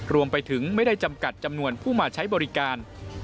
รวมไปถึงไม่ได้จำกัดจำนวนผู้มาใช้บริการ